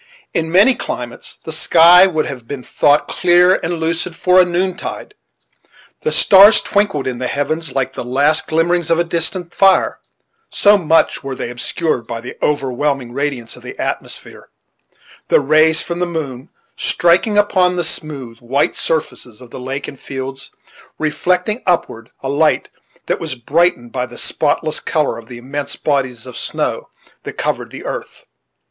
In many climates the sky would have been thought clear and lucid for a noontide. The stars twinkled in the heavens, like the last glimmerings of distant fire, so much were they obscured by the overwhelming radiance of the atmosphere; the rays from the moon striking upon the smooth, white surfaces of the lake and fields, reflecting upward a light that was brightened by the spotless color of the immense bodies of snow which covered the earth.